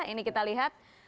ini kita lihat